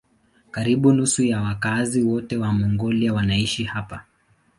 Karibu nusu ya wakazi wote wa Mongolia wanaishi hapa.